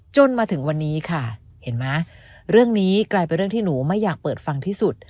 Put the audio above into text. จนถึงวันนี้ค่ะเห็นไหมเรื่องนี้กลายเป็นเรื่องที่หนูไม่อยากเปิดฟังที่สุด